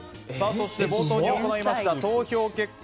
そして冒頭に行いました投票結果。